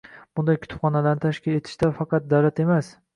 Bunday kutubxonalarni tashkil etishda faqat davlat emas